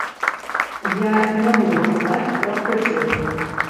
Я не буду казаць пра прычыны.